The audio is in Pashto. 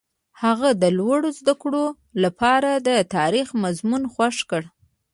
هغه د لوړو زده کړو لپاره د تاریخ مضمون خوښ کړ.